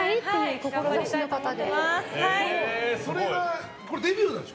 これがデビューなんでしょ？